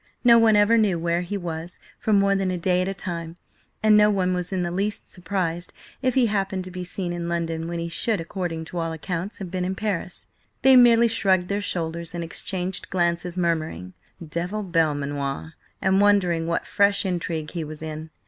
No one ever knew where he was for more than a day at a time, and no one was in the least surprised if he happened to be seen in London when he should, according to all accounts, have been in Paris. They merely shrugged their shoulders, and exchanged glances, murmuring: "Devil Belmanoir!" and wondering what fresh intrigue he was in.